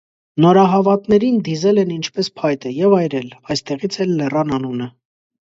Նորահավատներին դիզել են ինչպես փայտը և այրել (այստեղից էլ լեռան անունը)։